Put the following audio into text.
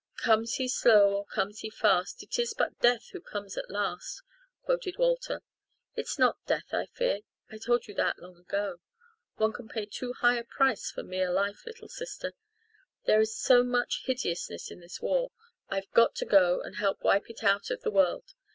"'Comes he slow or comes he fast It is but death who comes at last.'" quoted Walter. "It's not death I fear I told you that long ago. One can pay too high a price for mere life, little sister. There's so much hideousness in this war I've got to go and help wipe it out of the world.